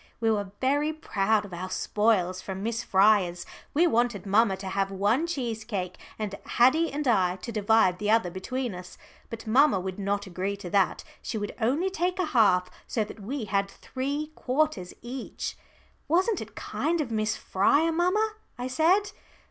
We were very proud of our spoils from Miss Fryer's. We wanted mamma to have one cheesecake and Haddie and I to divide the other between us. But mamma would not agree to that. She would only take a half, so that we had three quarters each. "Wasn't it kind of Miss Fryer, mamma?" I said.